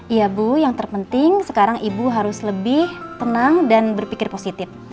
iya bu yang terpenting sekarang ibu harus lebih tenang dan berpikir positif